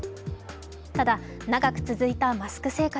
ただ、長く続いたマスク生活、